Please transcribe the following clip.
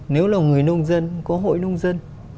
nếu là người nông dân có hội nông dân